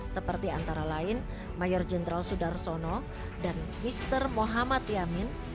seperti antara lain mayor jenderal sudarsono dan mister muhammad yamin